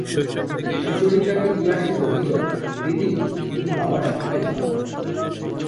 সুচরিতাকে গিয়া সে কহিল, দিদি, তুমি বাবার সঙ্গে যাও।